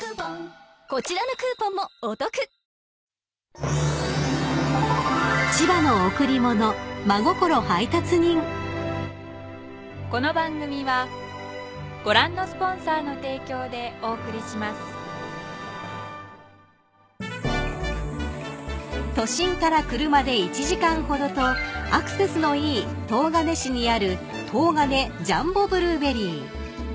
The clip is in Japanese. サントリー［都心から車で１時間ほどとアクセスのいい東金市にある東金ジャンボブルーベリー］